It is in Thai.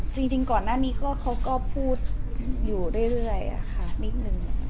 จริงก่อนหน้านี้เขาก็พูดอยู่เรื่อยนิดนึง